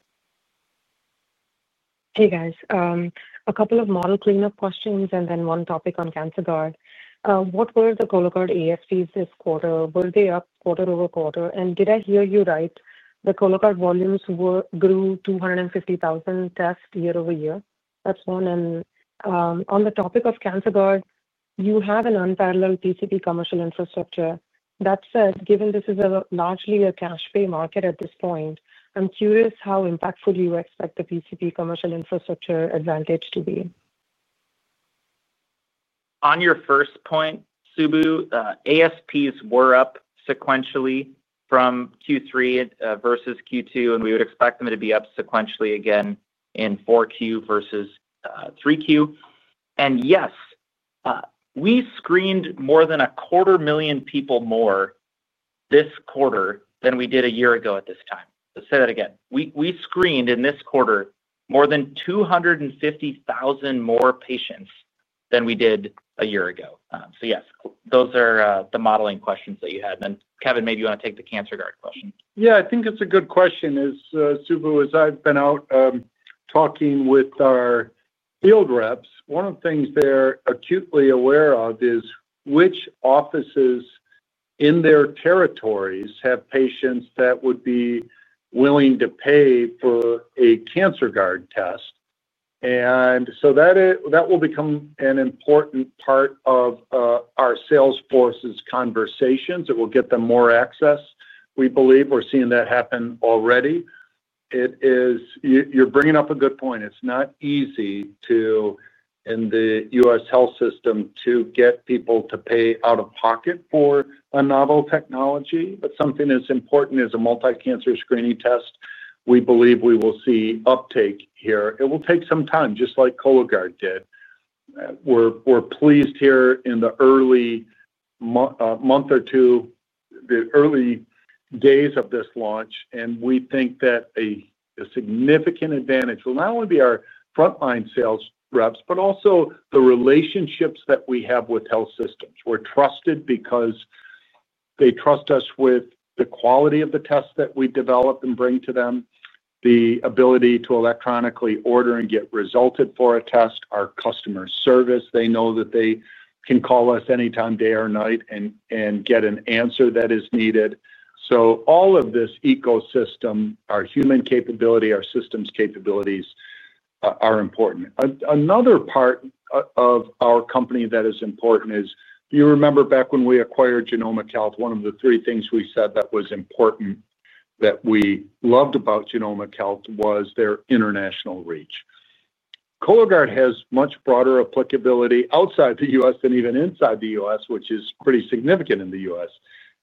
Hey, guys. A couple of model cleanup questions and then one topic on Cancerguard. What were the Cologuard AFTs this quarter? Were they up quarter over quarter? Did I hear you right? The Cologuard volumes grew 250,000 tests year over year. That's one. On the topic of Cancerguard, you have an unparalleled PCP commercial infrastructure. That said, given this is largely a cash-pay market at this point, I'm curious how impactful do you expect the PCP commercial infrastructure advantage to be? On your first point, Subbu, AFPs were up sequentially from Q3 versus Q2, and we would expect them to be up sequentially again in Q4 versus Q3. Yes, we screened more than a quarter million people more this quarter than we did a year ago at this time. Let me say that again. We screened in this quarter more than 250,000 more patients than we did a year ago. Yes, those are the modeling questions that you had. Kevin, maybe you want to take the Cancerguard question. Yeah, I think it's a good question, Subbu, as I've been out talking with our field reps. One of the things they're acutely aware of is which offices in their territories have patients that would be willing to pay for a Cancerguard test. That will become an important part of our salesforce's conversations. It will get them more access. We believe we're seeing that happen already. You're bringing up a good point. It's not easy in the US health system to get people to pay out of pocket for a novel technology. Something as important as a multi-cancer screening test, we believe we will see uptake here. It will take some time, just like Cologuard did. We're pleased here in the early month or two, the early days of this launch, and we think that a significant advantage will not only be our frontline sales reps, but also the relationships that we have with health systems. We're trusted because they trust us with the quality of the tests that we develop and bring to them, the ability to electronically order and get resulted for a test, our customer service. They know that they can call us anytime, day or night, and get an answer that is needed. All of this ecosystem, our human capability, our systems capabilities, are important. Another part of our company that is important is, do you remember back when we acquired Genomic Health, one of the three things we said that was important that we loved about Genomic Health was their international reach? Cologuard has much broader applicability outside the US than even inside the US, which is pretty significant in the US.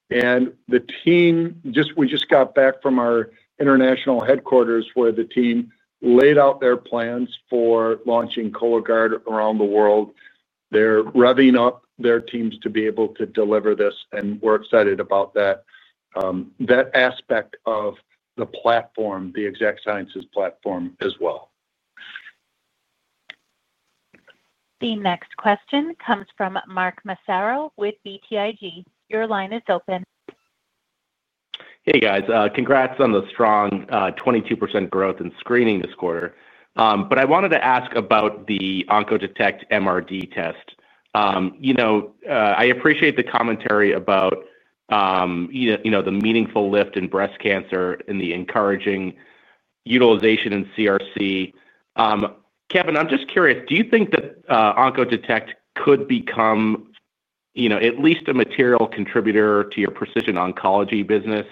The team, we just got back from our international headquarters where the team laid out their plans for launching Cologuard around the world. They're revving up their teams to be able to deliver this, and we're excited about that. That aspect of the platform, the Exact Sciences platform as well. The next question comes from Mark Massaro with BTIG. Your line is open. Hey, guys. Congrats on the strong 22% growth in screening this quarter. I wanted to ask about the Oncodetect MRD test. I appreciate the commentary about the meaningful lift in breast cancer and the encouraging utilization in CRC. Kevin, I'm just curious, do you think that Oncodetect could become at least a material contributor to your precision oncology business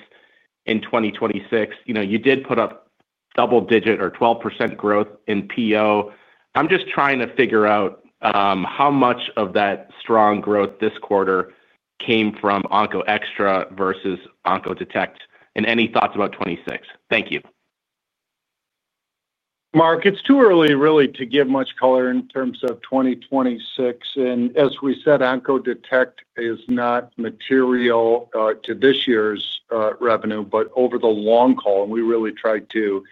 in 2026? You did put up double-digit or 12% growth in PO. I'm just trying to figure out how much of that strong growth this quarter came from OncoExTra versus Oncodetect, and any thoughts about 2026? Thank you. Mark, it's too early, really, to give much color in terms of 2026. And as we said, Oncodetect is not material to this year's revenue, but over the long haul, and we really tried to.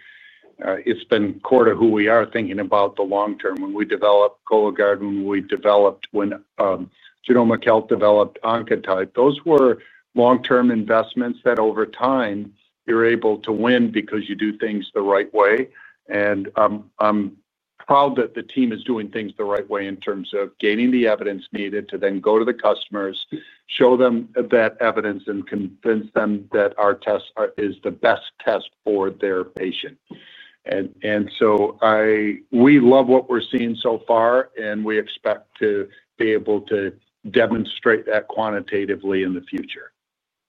It's been quarter who we are thinking about the long term. When we developed Cologuard, when we developed Genomic Health, developed Oncotype, those were long-term investments that over time you're able to win because you do things the right way. I'm proud that the team is doing things the right way in terms of gaining the evidence needed to then go to the customers, show them that evidence, and convince them that our test is the best test for their patient. We love what we're seeing so far, and we expect to be able to demonstrate that quantitatively in the future.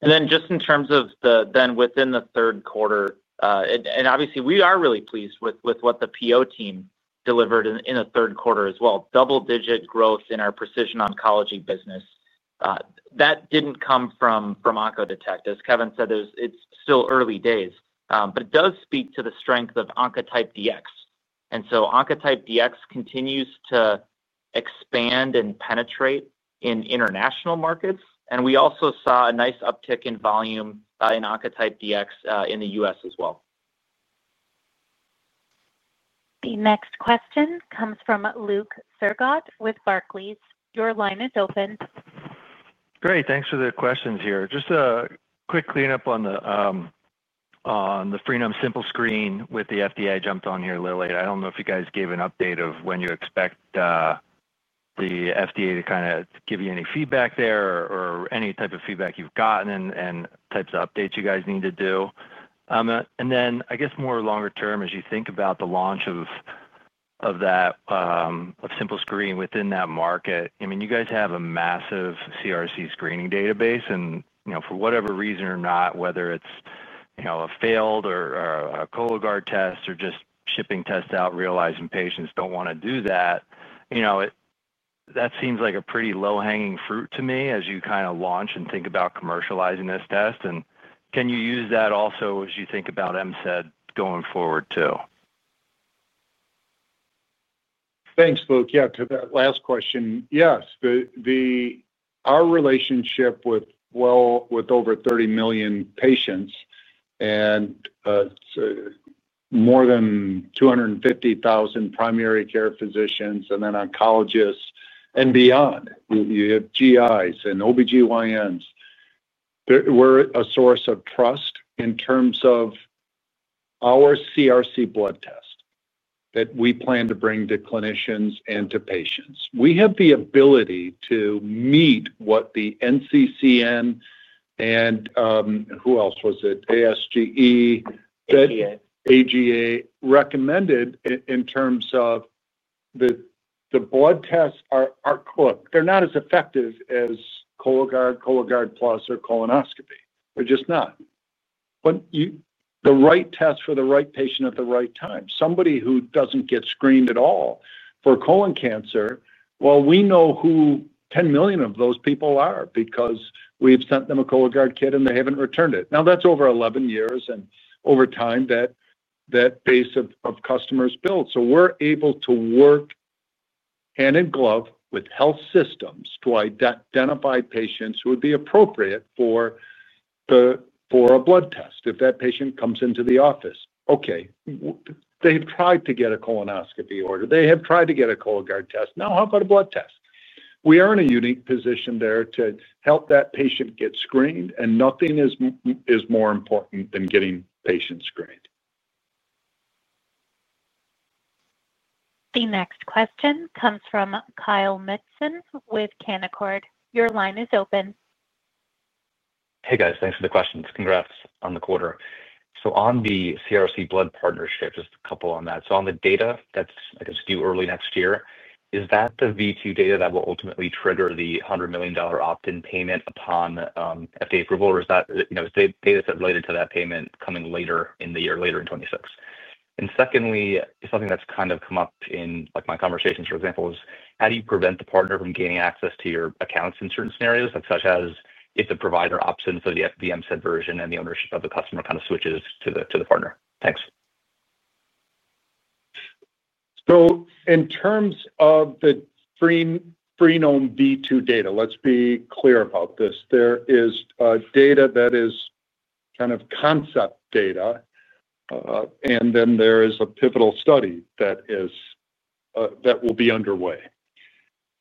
In terms of then within the third quarter, obviously, we are really pleased with what the PO team delivered in the third quarter as well. Double-digit growth in our precision oncology business. That did not come from Oncodetect. As Kevin said, it is still early days. It does speak to the strength of Oncotype DX. Oncotype DX continues to expand and penetrate in international markets. We also saw a nice uptick in volume in Oncotype DX in the US as well. The next question comes from Luke Sergott with Barclays. Your line is open. Great. Thanks for the questions here. Just a quick cleanup on the Freenome Simple screen with the FDA. Jumped on here a little late. I don't know if you guys gave an update of when you expect the FDA to kind of give you any feedback there or any type of feedback you've gotten and types of updates you guys need to do. I guess, more longer term, as you think about the launch of that Simple screen within that market, I mean, you guys have a massive CRC screening database. For whatever reason or not, whether it's a failed or a Cologuard test or just shipping tests out, realizing patients don't want to do that, that seems like a pretty low-hanging fruit to me as you kind of launch and think about commercializing this test. Can you use that also as you think about MSED going forward too? Thanks, Luke. Yeah, to that last question, yes. Our relationship with over 30 million patients and more than 250,000 primary care physicians and then oncologists and beyond. You have GIs and OB-GYNs. We're a source of trust in terms of our CRC blood test that we plan to bring to clinicians and to patients. We have the ability to meet what the NCCN and who else was it? ASGE. AGA. AGA recommended in terms of. The blood tests are, look, they're not as effective as Cologuard, Cologuard Plus, or colonoscopy. They're just not. The right test for the right patient at the right time. Somebody who doesn't get screened at all for colon cancer, we know who 10 million of those people are because we've sent them a Cologuard kit, and they haven't returned it. Now, that's over 11 years, and over time, that base of customers builds. So we're able to work hand in glove with health systems to identify patients who would be appropriate for a blood test if that patient comes into the office. Okay. They've tried to get a colonoscopy order. They have tried to get a Cologuard test. Now, how about a blood test? We are in a unique position there to help that patient get screened, and nothing is more important than getting patients screened. The next question comes from Kyle Mikson with Canaccord. Your line is open. Hey, guys. Thanks for the questions. Congrats on the quarter. On the CRC blood partnership, just a couple on that. On the data that's due early next year, is that the V2 data that will ultimately trigger the $100 million opt-in payment upon FDA approval, or is that data set related to that payment coming later in the year, later in 2026? Secondly, something that's kind of come up in my conversations, for example, is how do you prevent the partner from gaining access to your accounts in certain scenarios, such as if the provider opts in for the FDM set version and the ownership of the customer kind of switches to the partner? Thanks. In terms of the Freenome V2 data, let's be clear about this. There is data that is kind of concept data, and then there is a pivotal study that will be underway.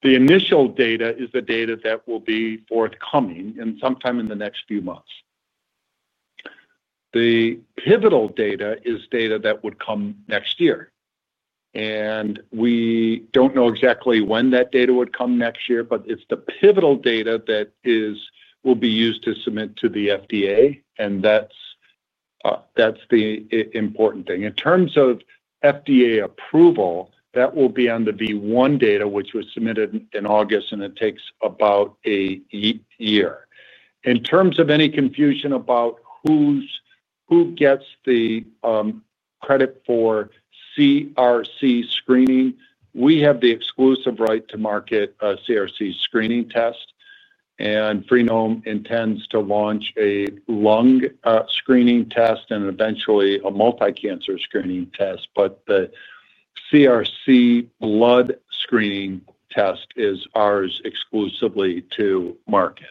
The initial data is the data that will be forthcoming sometime in the next few months. The pivotal data is data that would come next year. We don't know exactly when that data would come next year, but it's the pivotal data that will be used to submit to the FDA, and that's the important thing. In terms of FDA approval, that will be on the V1 data, which was submitted in August, and it takes about a year. In terms of any confusion about who gets the credit for CRC screening, we have the exclusive right to market CRC screening test. Freenome intends to launch a lung screening test and eventually a multi-cancer screening test. The CRC blood screening test is ours exclusively to market.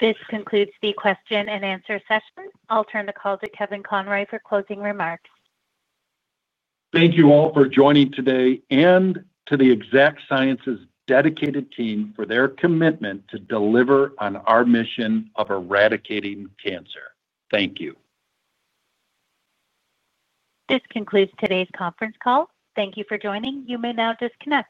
This concludes the question-and-answer session. I'll turn the call to Kevin Conroy for closing remarks. Thank you all for joining today and to the Exact Sciences dedicated team for their commitment to deliver on our mission of eradicating cancer. Thank you. This concludes today's conference call. Thank you for joining. You may now disconnect.